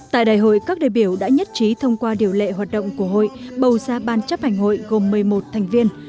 tại đại hội các đại biểu đã nhất trí thông qua điều lệ hoạt động của hội bầu ra ban chấp hành hội gồm một mươi một thành viên